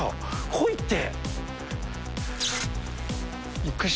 来いって。